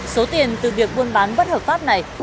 số tiền từ việc buôn bán bất hợp pháp này